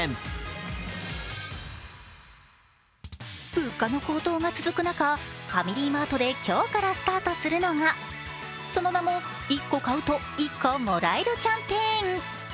物価の高騰が続く中、ファミリーマートで今日からスタートするのがその名も、１個買うと１個もらえるキャンペーン。